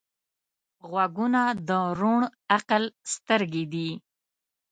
غوږونه د روڼ عقل سترګې دي